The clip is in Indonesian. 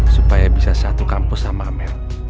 supaya bisa satu kampus sama amel